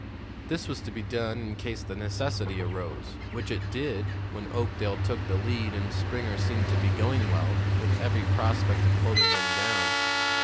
This was to be done in case the necessity arose, which it did when Oakdale took the lead and Springer seemed to be going well, with every prospect of holding them down.